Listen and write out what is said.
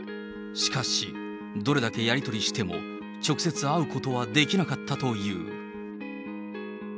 しかし、どれだけやり取りしても直接会うことはできなかったという。